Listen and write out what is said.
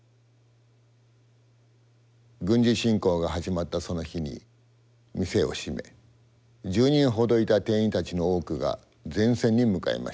軍事侵攻が始まったその日に店を閉め１０人ほどいた店員たちの多くが前線に向かいました。